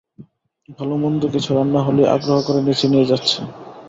ভালোমন্দ কিছু রান্না হলেই আগ্রহ করে নিচে নিয়ে যাচ্ছে।